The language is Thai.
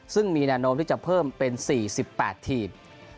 ซึ่งมีแนวโน้มที่จะเพิ่มเป็น๔๘ทีม